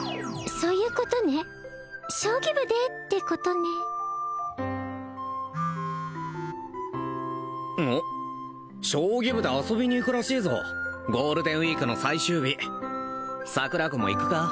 そういうことね将棋部でってことねおっ将棋部で遊びに行くらしいぞゴールデンウイークの最終日桜子も行くか？